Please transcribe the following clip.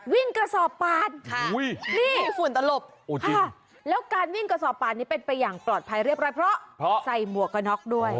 กระสอบปาดนี่ฝุ่นตลบแล้วการวิ่งกระสอบปาดนี้เป็นไปอย่างปลอดภัยเรียบร้อยเพราะใส่หมวกกระน็อกด้วย